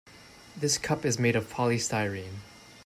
This cup is made of polystyrene.